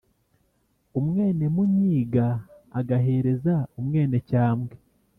umwénemúnyiga agahereza umwénecyambwe